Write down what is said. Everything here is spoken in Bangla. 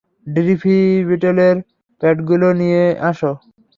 ডিফিব্রিলেটর প্যাডগুলো নিয়ে আসো।